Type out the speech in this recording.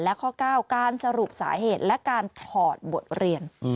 และข้อ๙การสรุปสาเหตุและการถอดบทเรียน